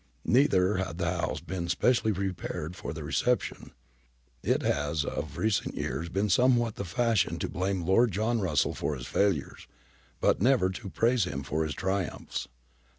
Neither had the house been specially prepared for their reception. It has of recent years been somewhat the fashion to blame Lord John Russell for his failures, but never to praise him for his triumphs.